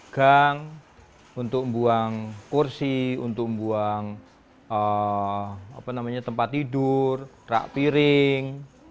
kita menggigitkan untuk membuang gang untuk membuang kursi untuk membuang tempat tidur rak piring